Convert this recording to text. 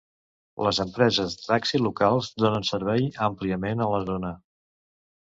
Les empreses de taxi locals donen servei àmpliament a la zona.